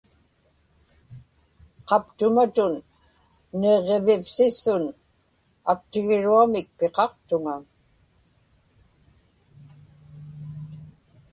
qaptumatun niġġivivsisun aktigiruamik piqaqtuŋa